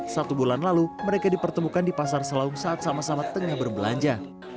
satu bulan lalu mereka dipertemukan di pasar selaung saat sama sama tengah berbelanja